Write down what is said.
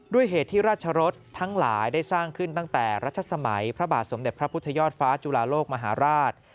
ด้วยเหตุที่ราชรสทั้งหลายได้สร้างขึ้นตั้งแต่รัชสมัยพระบาทสมเด็จพระพุทธยอดฟ้าจุฬาโลกมหาราช